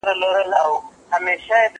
ما چي ول ته ملامت نه يې